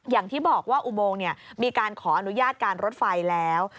อย่างที่บอกว่าอุโมงมีการขออนุญาตการรถไฟแล้ว